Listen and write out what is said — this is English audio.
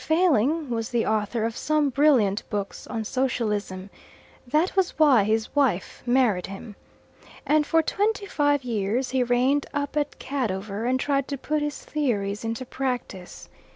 Failing was the author of some brilliant books on socialism, that was why his wife married him and for twenty five years he reigned up at Cadover and tried to put his theories into practice.